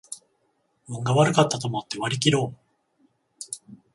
運が悪かったと思って割りきろう